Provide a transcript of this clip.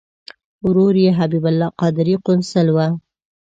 ورور یې حبیب الله قادري قونسل و.